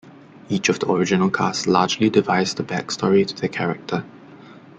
Each of the original cast largely devised the back story to their character.